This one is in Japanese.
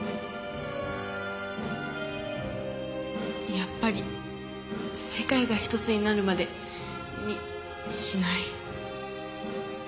やっぱり「世界がひとつになるまで」にしない？